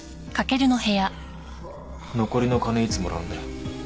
残りの金いつもらうんだよ？